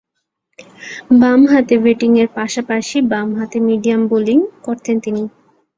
বামহাতে ব্যাটিংয়ের পাশাপাশি বামহাতে মিডিয়াম বোলিং করতেন তিনি।